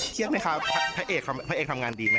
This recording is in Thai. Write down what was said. เชี่ยวไหมครับพระเอกทำงานดีไหม